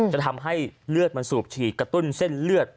จะทำให้เลือดมันสูบฉีดกระตุ้นเส้นเลือด